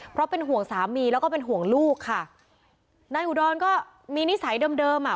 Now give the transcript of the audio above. เพราะเป็นห่วงสามีแล้วก็เป็นห่วงลูกค่ะนายอุดรก็มีนิสัยเดิมเดิมอ่ะ